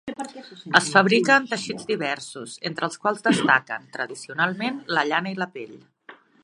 Es fabrica en teixits diversos, entre els quals destaquen, tradicionalment, la llana i la pell.